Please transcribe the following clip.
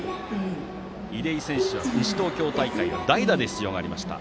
出井選手は西東京大会は代打で出場がありました。